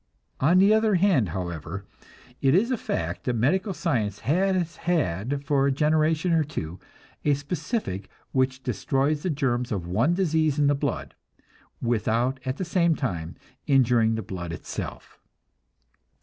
On the other hand, however, it is a fact that medical science has had for a generation or two a specific which destroys the germs of one disease in the blood, without at the same time injuring the blood itself.